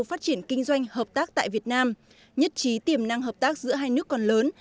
phát triển kinh doanh hợp tác tại việt nam nhất trí tiềm năng hợp tác giữa hai nước còn lớn